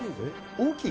「大きい？」